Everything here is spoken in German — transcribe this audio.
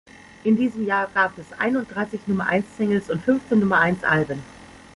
In diesem Jahr gab es einunddreißig Nummer-eins-Singles und fünfzehn Nummer-eins-Alben.